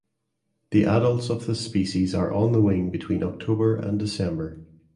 The adults of this species are on the wing between October and December.